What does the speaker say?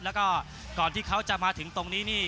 แล้วก็ก่อนที่เขาจะมาถึงตรงนี้นี่